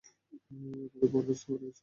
আমাকে বরখাস্ত করা হয়েছে।